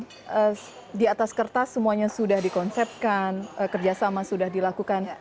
karena di atas kertas semuanya sudah dikonsepkan kerjasama sudah dilakukan